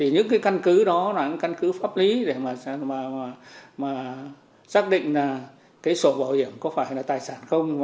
những căn cứ đó là căn cứ pháp lý để xác định sổ bảo hiểm có phải là tài sản không